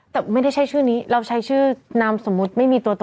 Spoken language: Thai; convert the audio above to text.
แต่ไม่ได้ใช้ชื่อนี้ที่นามสมมุติแล้ว